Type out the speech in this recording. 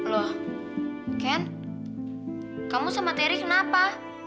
loh ken kamu sama terry kenapa